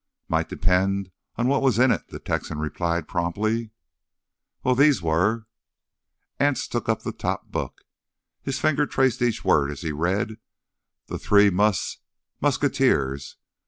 "Might depend on what was in it," the Texan replied promptly. "Well, these were—" Anse took up the top book. His finger traced each word as he read. "_The Three Mus—Musketeers.